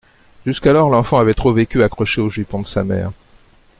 Jusqu'alors, l'enfant avait trop vécu accroché aux jupons de sa mère.